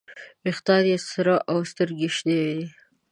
ویښتان یې سره او سترګې یې شنې دي.